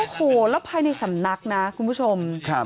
โอ้โหแล้วภายในสำนักนะคุณผู้ชม